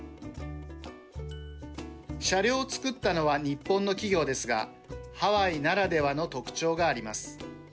車両を造ったのは日本の企業ですがハワイならではの特徴があります。